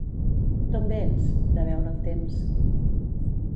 —D'on vens? —De veure el temps.